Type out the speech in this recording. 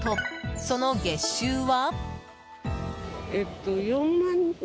その月収は。